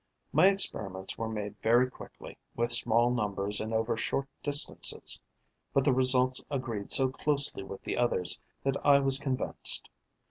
My experiments were made very quickly, with small numbers and over short distances; but the results agreed so closely with the others that I was convinced.